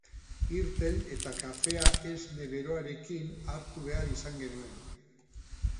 Irten eta kafea esne beroarekin hartu behar izan genuen.